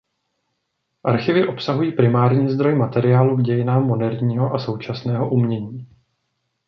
Archivy obsahují primární zdroj materiálu k dějinám moderního a současného umění.